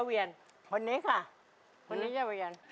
คนนี้เยี่ยวเวียน